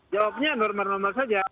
jawabnya normal normal saja